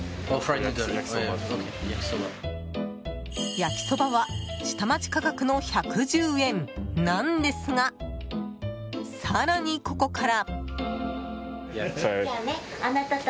焼きそばは下町価格の１１０円なんですが更に、ここから。